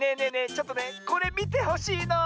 ちょっとねこれみてほしいの。